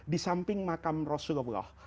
disamping makam rasulullah